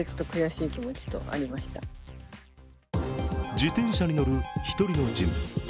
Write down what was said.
自転車に乗る一人の人物。